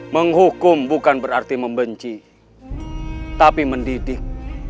menghukum bukan berarti membenci tapi mendidik